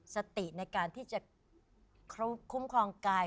สติในการที่จะคุ้มครองกาย